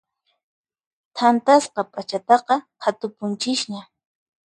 Thantasqa p'achataqa qhatupunchisña.